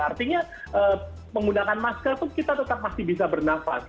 artinya menggunakan masker pun kita tetap masih bisa bernafas